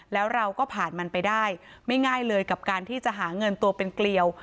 แล้วเราก็ผ่านมันไปได้ไม่ง่ายเลยกับการที่จะหาเงินตัวเป็นเกลียว